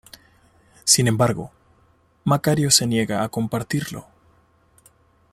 Sin embargo, Macario se niega a compartirlo.